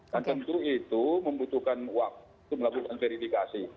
dan tentu itu membutuhkan waktu melakukan verifikasi